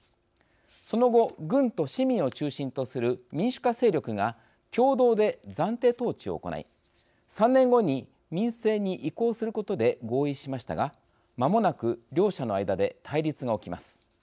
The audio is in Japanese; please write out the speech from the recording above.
その後軍と市民を中心とする民主化勢力が共同で暫定統治を行い３年後に民政に移行することで合意しましたがまもなく両者の間で対立が起きます。